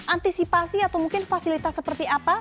antisipasi atau mungkin fasilitas seperti apa